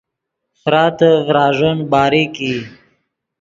فراتے ڤراݱین باریک ای